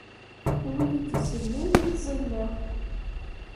A win i d-isellen i tẓilla.